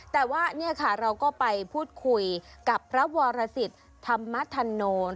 แต่ว่าเนี่ยค่ะเราก็ไปพูดคุยกับพระวรสิตธรรมธนูล